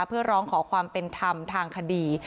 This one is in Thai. เพื่อร้องขอความเป็นธรรมทางคดี